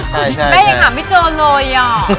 ใช่ค่ะพี่เจ้าโรย